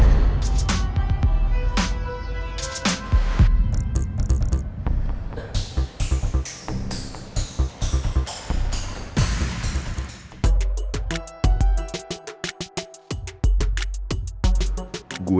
sampai jumpa di video selanjutnya